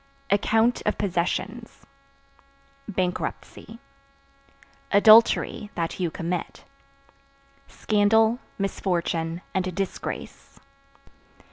Account (Of possessions) bankruptcy. Adultery (That you commit) scandal, misfortune and disgrace.